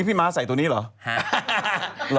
พี่ม้าใส่ตัวนี้เหรอ